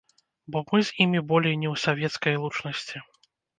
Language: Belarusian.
Бо мы з імі болей не ў савецкай лучнасці.